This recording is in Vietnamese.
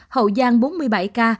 hậu giang bốn mươi bảy ca